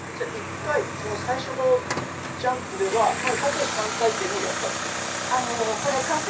１回、最初のジャンプでは縦３回転をやったということですか？